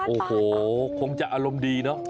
โอ้โหคงจะอารมณ์ดีเนอะ